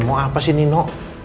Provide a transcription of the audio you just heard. mau apa sih nino